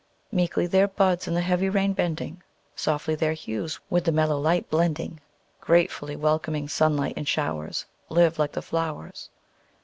Meekly their buds in the heavy rain bending, Softly their hues with the mellow light blending, Gratefully welcoming sunlight and showers: Live like the flowers!